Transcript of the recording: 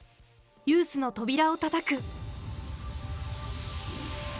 ユースの扉をたたく。